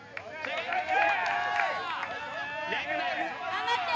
頑張って！